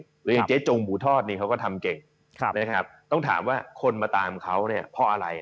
กรุงบูทอดนี่เขาก็ทำเก่งต้องถามว่าคนมาตามเขาเนี่ยเพราะอะไร